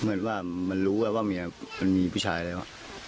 เหมือนว่ามันรู้ว่าเมียมันมีผู้ชายแล้ว